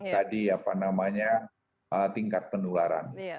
tadi apa namanya tingkat penularan